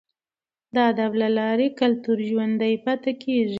د ادب له لارې کلتور ژوندی پاتې کیږي.